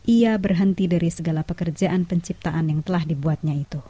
ia berhenti dari segala pekerjaan penciptaan yang telah dibuatnya itu